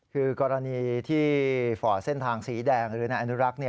คือกรณีที่ฝ่าเส้นทางสีแดงหรือนานุรักษณ์